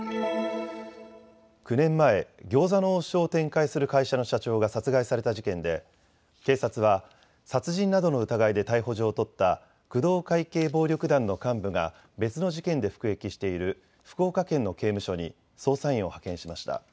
９年前、餃子の王将を展開する会社の社長が殺害された事件で警察は殺人などの疑いで逮捕状を取った工藤会系暴力団の幹部が別の事件で服役している福岡県の刑務所に捜査員を派遣しました。